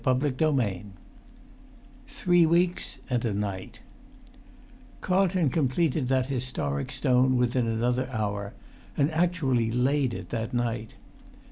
[Pg 186] XVII THREE WEEKS AND A NIGHT Carlton completed that historic stone within another hour, and actually laid it that night.